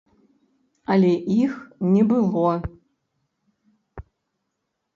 Але іх не было.